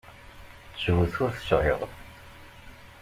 Ttbut ur t-sεiɣ.